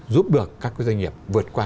giúp được các cái doanh nghiệp vượt qua